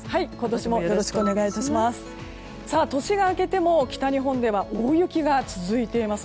年が明けても北日本では大雪が続いています。